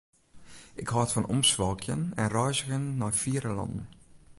Ik hâld fan omswalkjen en reizgjen nei fiere lannen.